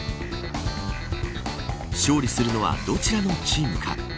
勝利するのはどちらのチームか。